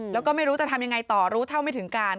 แล้วก็ไม่รู้จะทำยังไงต่อรู้เท่าไม่ถึงการ